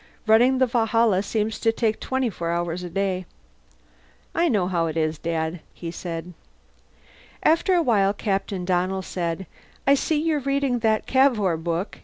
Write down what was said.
"Running the Valhalla seems to take twenty four hours a day." "I know how it is," Alan said. After a while Captain Donnell said, "I see you're still reading that Cavour book."